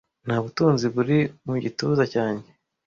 nta butunzi buri mu gituza cyanjye